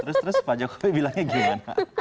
terus terus pak jokowi bilangnya gimana pak